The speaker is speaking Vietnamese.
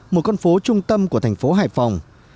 một con phố trung tâm của thành phố hải phòng